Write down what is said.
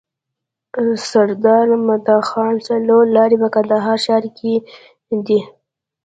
سرداد مدخان څلور لاری په کندهار ښار کي دی.